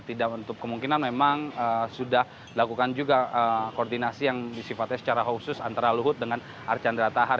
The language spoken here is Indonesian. tidak untuk kemungkinan memang sudah lakukan juga koordinasi yang disifatnya secara khusus antara luhut dengan archan ratahar